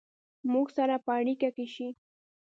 مونږ سره په اړیکه کې شئ